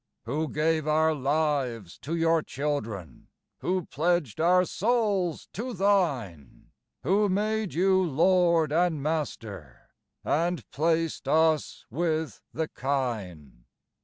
Who gave our lives to your children? Who pledged our souls to thine? Who made you Lord and Master and placed us with the kine?